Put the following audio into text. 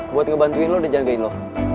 buat ngebantuin lo udah jagain lo